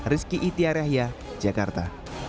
rizky itiarehya jakarta